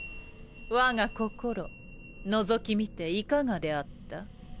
我が心覗き見ていかがであった？